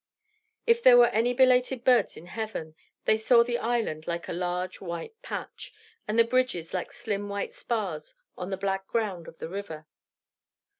If there were any belated birds in heaven, they saw the island like a large white patch, and the bridges like slim white spars, on the black ground of the river.